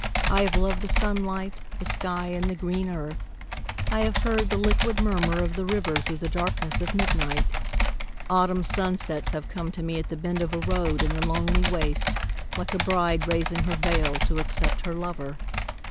I have loved the sunlight, the sky and the green earth; I have heard the liquid murmur of the river through the darkness of midnight; Autumn sunsets have come to me at the bend of a road in the lonely waste, like a bride raising her veil to accept her lover.